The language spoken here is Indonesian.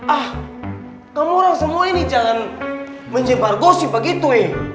ah kamu orang semua ini jangan menjembar gosip begitu eh